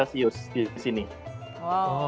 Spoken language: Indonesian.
oke itu yang menjadi tantangannya inn